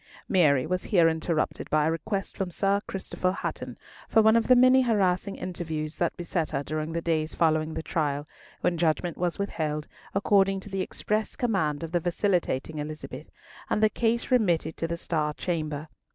Mary was here interrupted by a request from Sir Christopher Hatton for one of the many harassing interviews that beset her during the days following the trial, when judgment was withheld, according to the express command of the vacillating Elizabeth, and the case remitted to the Star Chamber.